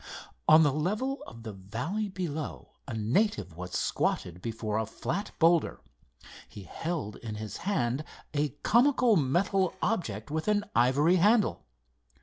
On the level of the valley below a native was squatted before a flat boulder. He held in his hand a comical metal object with an ivory handle.